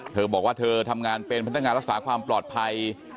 เธอบอกว่าเธอทำงานเป็นพนักงานรักษาความปลอดภัย